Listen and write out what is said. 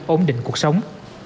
ổn định cuộc sống